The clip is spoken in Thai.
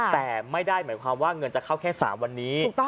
แต่ไม่ได้หมายความว่าเงินจะเข้าแค่๓วันนี้